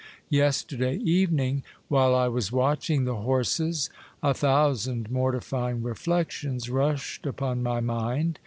Yesterday evening, while I was watching the horses, a thousand mortifying reflections rushed upon my mind.